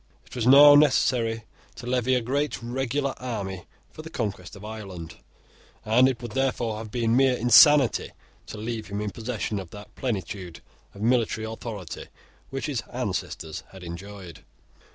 It was now necessary to levy a great regular army for the conquest of Ireland; and it would therefore have been mere insanity to leave him in possession of that plenitude of military authority which his ancestors had enjoyed.